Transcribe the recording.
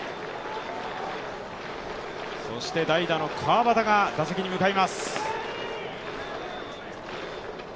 そして代打の川端が打席に向かいます。